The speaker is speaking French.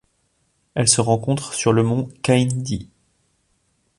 Elle se rencontre sur le mont Kaindi.